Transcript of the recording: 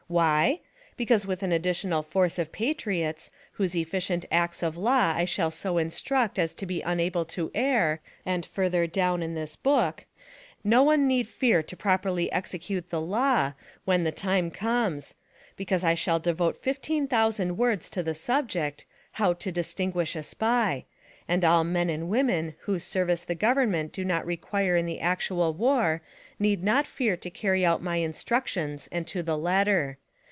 Why? Because with an additional force of patriots whose efficient acts of law I shall so instruct as to be unable to err, and further down in this book, no one need fear to properly execute the law, when the time comes ; because I shall devote fifteen thousand words to the subject: HOW TO DISTINGUISH A SPY, and all men and women whose service the government do not require in the actual war need not fear to carry out my instructions and to the letter.